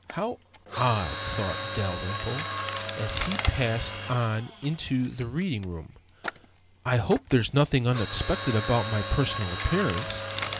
"How odd," thought Dalrymple, as he passed on into the reading room, "I hope there's nothing unexpected about my personal appearance."